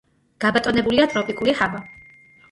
გაბატონებულია ტროპიკული ჰავა.